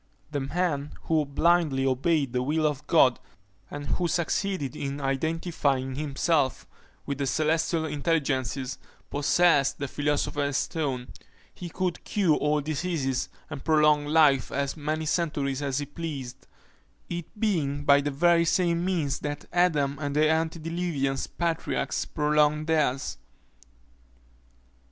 The man who blindly obeyed the will of God, and who succeeded in identifying himself with the celestial intelligences, possessed the philosopher's stone he could cure all diseases, and prolong life to as many centuries as he pleased; it being by the very same means that Adam and the antediluvian patriarchs prolonged theirs.